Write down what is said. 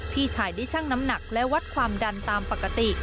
พี่ชายได้ชั่งน้ำหนักและวัดความดันตามปกติ